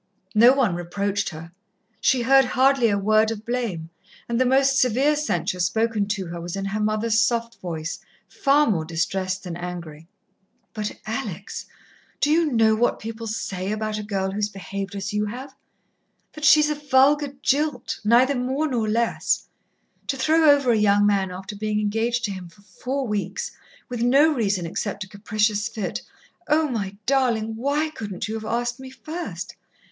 No one reproached her, she heard hardly a word of blame, and the most severe censure spoken to her was in her mother's soft voice, far more distressed than angry. "But, Alex, do you know what people say, about a girl who's behaved as you have? That she's a vulgar jilt, neither more nor less. To throw over a young man after being engaged to him for four weeks, with no reason except a capricious fit.... Oh, my darling, why couldn't you have asked me first?